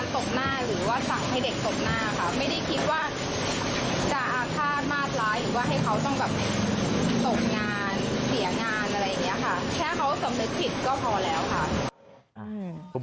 แค่เขาสำเร็จผิดก็พอแล้วค่ะ